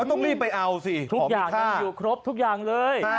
ต้องรีบไปเอาสิทุกอย่างยังอยู่ครบทุกอย่างเลย